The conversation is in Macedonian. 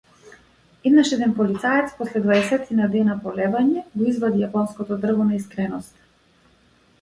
Еднаш еден полицаец, после дваесетина дена полевање, го извади јапонското дрво на искреноста.